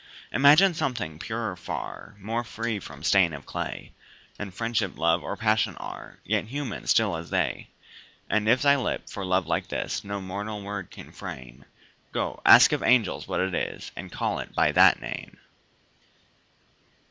Imagine something purer far, More free from stain of clay Than Friendship, Love, or Passion are, Yet human, still as they: And if thy lip, for love like this, No mortal word can frame, Go, ask of angels what it is, And call it by that name!